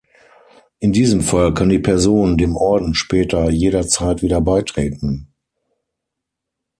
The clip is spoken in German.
In diesem Fall kann die Person dem Orden später jederzeit wieder beitreten.